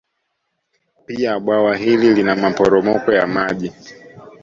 Pia bwawa hili lina maporomoko ya maji